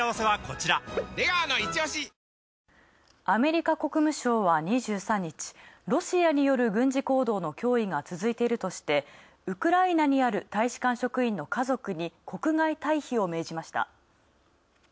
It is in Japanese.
アメリカ国務省は２３日、ロシアによる軍事行動の脅威が続いているとしてウクライナにある大使館職員の家族に国外退避を命じました。